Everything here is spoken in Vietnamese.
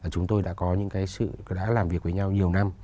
chúng tôi đã có những cái sự đã làm việc với nhau nhiều năm